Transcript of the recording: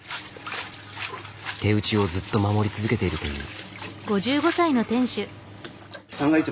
手打ちをずっと守り続けているという。